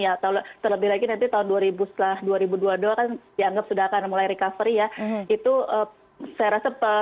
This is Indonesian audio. atau lebih lagi nanti tahun dua ribu dua ribu dua puluh dua yang sudah akan mulai recovery ya itu saya rasa